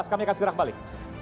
kami akan segera kembali